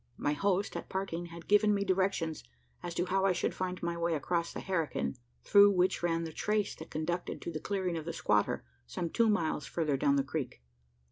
My host, at parting, had given me directions as to how I should find my way across the herrikin through which ran the trace that conducted to the clearing of the squatter, some two miles further down the creek.